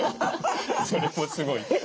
それもすごい。